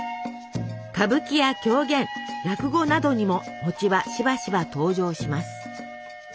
歌舞伎や狂言落語などにも餅はしばしば登場します。